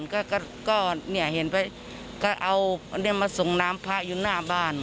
ก็เอามาส่งน้ำพละอยู่หน้าบ้าน